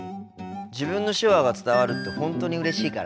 自分の手話が伝わるって本当にうれしいからね。